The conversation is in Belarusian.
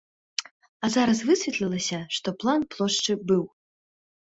А зараз высветлілася, што план плошчы быў.